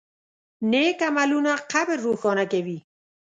نیک عملونه قبر روښانه کوي.